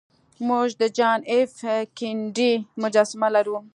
موږ د جان ایف کینیډي مجسمه لرو